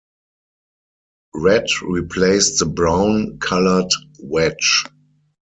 Red replaced the brown-colored wedge.